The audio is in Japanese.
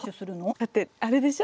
だってあれでしょ？